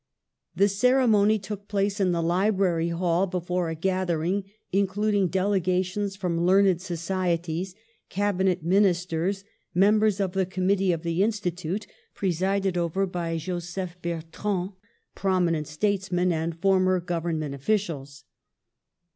The ceremony took place in the library hall before a gathering including delegations from learned societies, cabinet ministers, members of the Committee of the Institute, presided over by Joseph Ber trand, prominent statesmen and former gov ernment officials.